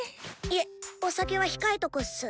いえっお酒は控えとくっす！